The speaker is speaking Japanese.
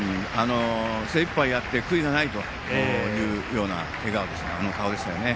精いっぱいやって悔いがないような表情でしたね。